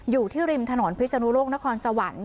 อยู่ที่ริมถนนพิศนุโลกนครสวรรค์